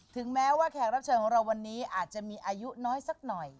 ถึงแม้ว่าแขกรับเชิญของเราวันนี้อาจจะมีอายุน้อยสักหน่อย